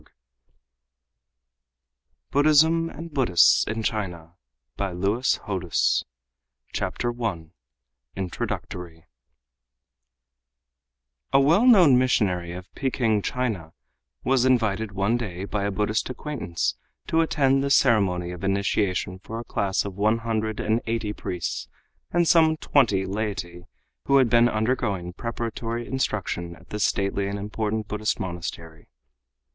BUDDHISM AND BUDDHISTS IN CHINA I INTRODUCTORY A well known missionary of Peking, China, was invited one day by a Buddhist acquaintance to attend the ceremony of initiation for a class of one hundred and eighty priests and some twenty laity who had been undergoing preparatory instruction at the stately and important Buddhist monastery.